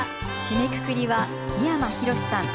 締めくくりは三山ひろしさん